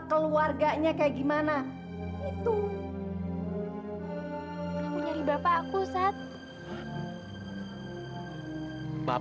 keluarganya kayak gimana